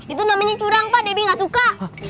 itu namanya curang pak debbie gak suka